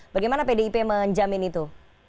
bagaimana pdip menjamin itu